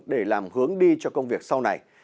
để làm hướng đi cho công việc sau này